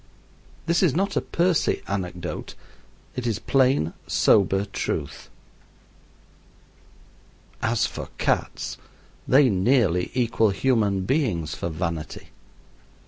This is not a Percy anecdote. It is plain, sober truth. As for cats, they nearly equal human beings for vanity.